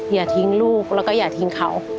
อย่าทิ้งลูกแล้วก็อย่าทิ้งเขา